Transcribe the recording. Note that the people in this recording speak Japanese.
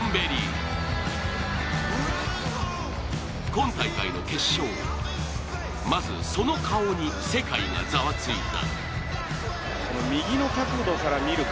今大会の決勝、まずその顔に世界がざわついた。